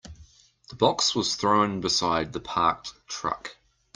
The box was thrown beside the parked truck.